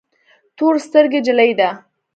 تور سترګي جلی ده